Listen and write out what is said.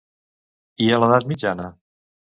I a l'edat mitjana?